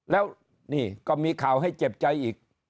แล้วนี่ก็มีข่าวให้เจ็บใจอีก